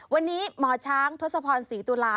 วันนี้หมอช้างทศพรศรีตุลา